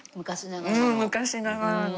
昔ながらの。